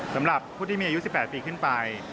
สำหรับผู้ที่มีอายุ๑๘ปีขึ้นไป